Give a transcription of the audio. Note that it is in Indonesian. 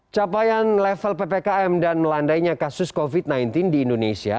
capaian level ppkm dan melandainya kasus covid sembilan belas di indonesia